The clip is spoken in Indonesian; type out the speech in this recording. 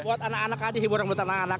buat anak anak aja hiburan buat anak anak